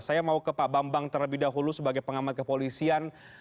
saya mau ke pak bambang terlebih dahulu sebagai pengamat kepolisian